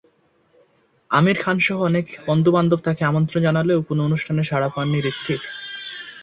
আমির খানসহ অনেক বন্ধুবান্ধব তাঁকে আমন্ত্রণ জানালেও কোনো অনুষ্ঠানে সাড়া দেননি হূতিক।